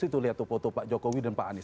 itu lihat tuh foto pak jokowi dan pak anies